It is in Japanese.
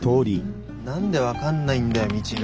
何で分かんないんだよ道が。